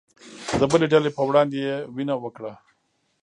د بلې ډلې په وړاندې يې وينه وکړه